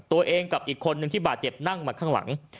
ตัวเองกับอีกคนนึงที่บาดเจ็บนั่งมาข้างหลัง